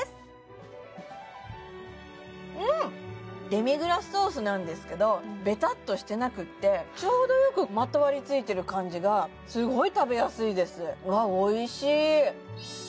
デミグラスソースなんですけどべたっとしてなくってちょうどよくまとわりついてる感じがすごい食べやすいです